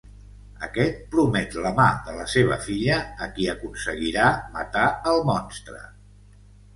Aquest promet la mà de la seva filla a qui aconseguirà matar el monstre.